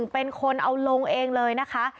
เป็นคนเอาลงเองเลยนะคะ